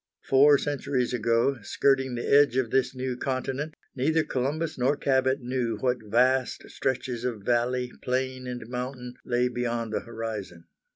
Four centuries ago, skirting the edge of this new continent, neither Columbus nor Cabot knew what vast stretches of valley, plain, and mountain lay beyond the horizon.